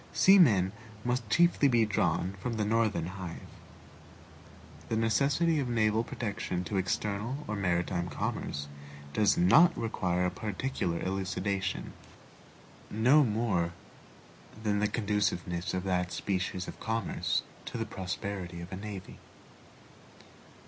Seamen must chiefly be drawn from the Northern hive. The necessity of naval protection to external or maritime commerce does not require a particular elucidation, no more than the conduciveness of that species of commerce to the prosperity of a navy.